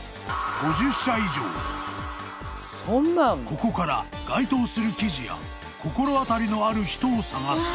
［ここから該当する記事や心当たりのある人を探す］